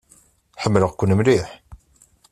Ḥemmleɣ-ken mliḥ.